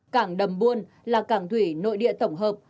cảng đầm buôn là cảng thủy nội địa tổng hợp